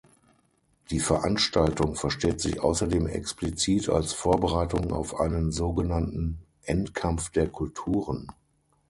Die Veranstaltung versteht sich außerdem explizit als Vorbereitung auf einen sogenannten „Endkampf der Kulturen“.